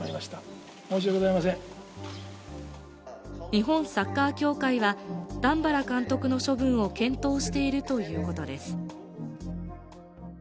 日本サッカー協会は段原監督の処分を検討しているということです。